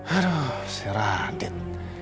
aduh si radit